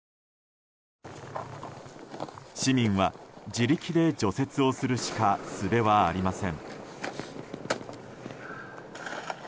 市民は自力で除雪をするしかすべはありません。